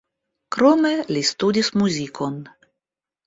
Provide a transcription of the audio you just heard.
Krome li studis muzikon.